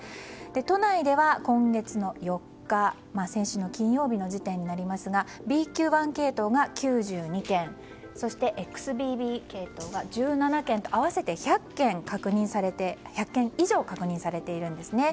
都内では今月の４日先週の金曜日の時点になりますがＢＱ．１系統が９２件そして、ＸＢＢ系統が１７件と合わせて１００件以上確認されているんですね。